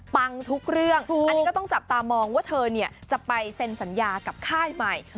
ทุกเรื่องอันนี้ก็ต้องจับตามองว่าเธอจะไปเซ็นสัญญากับค่ายใหม่